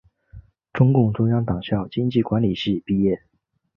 中共中央党校经济管理系毕业。